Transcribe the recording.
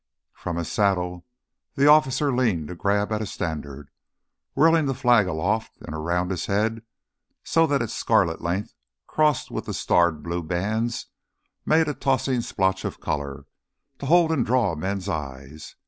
From his saddle, the officer leaned to grab at a standard, whirling the flag aloft and around his head so that its scarlet length, crossed with the starred blue bands, made a tossing splotch of color, to hold and draw men's eyes.